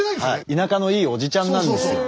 田舎のいいおじちゃんなんですよ。